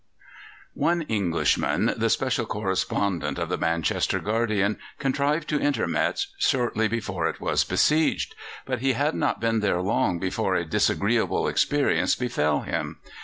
One Englishman, the Special Correspondent of the Manchester Guardian, contrived to enter Metz shortly before it was besieged. But he had not been there long before a disagreeable experience befell him.